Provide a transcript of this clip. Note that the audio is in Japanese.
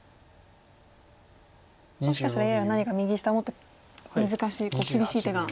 もしかしたらＡＩは何か右下もっと難しい厳しい手が。